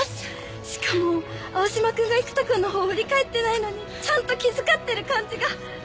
しかも青島君が生田君の方振り返ってないのにちゃんと気遣ってる感じが！